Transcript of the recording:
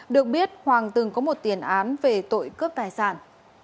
được biết hoàng từng có một tiền án về tội cướp tài sản